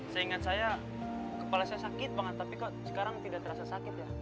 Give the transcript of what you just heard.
seingat saya kepala saya sakit banget tapi kok sekarang tidak terasa sakit ya